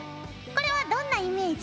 これはどんなイメージ？